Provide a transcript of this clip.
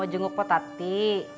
oh mau jungup po tati